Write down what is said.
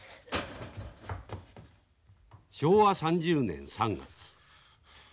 昭和３０年３月。